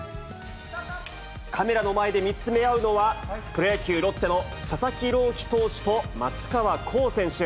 カメラの前で見つめ合うのは、プロ野球・ロッテの佐々木朗希投手と松川虎生選手。